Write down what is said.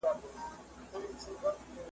کابله بیا دي اجل راغلی .